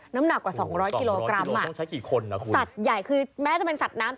น้ำหนักกว่า๒๐๐กิโลกรัมสัตว์ใหญ่คือแม้จะเป็นสัตว์น้ำ